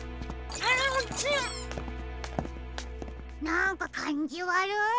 なんかかんじわる。